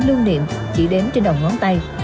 lưu niệm chỉ đếm trên đầu ngón tay